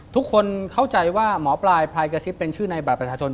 ทุกคนเข้าใจว่าหมอปลายพลายกระซิบเป็นชื่อในบัตรประชาชน